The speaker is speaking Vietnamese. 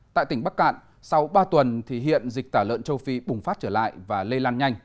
tại tỉnh bắc cạn sau ba tuần thì hiện dịch tả lợn châu phi bùng phát trở lại và lây lan nhanh